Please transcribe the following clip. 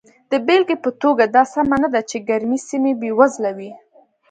د بېلګې په توګه دا سمه نه ده چې ګرمې سیمې بېوزله وي.